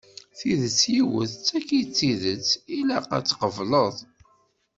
Tidet yiwet, d tagi i d tidet ilaq ad tt-tqebleḍ.